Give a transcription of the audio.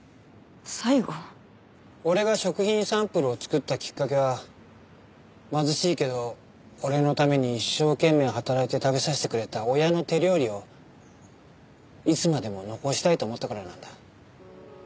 俺が食品サンプルを作ったきっかけは貧しいけど俺のために一生懸命働いて食べさせてくれた親の手料理をいつまでも残したいと思ったからなんだ。